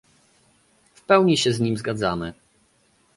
W pełni się z nimi zgadzamy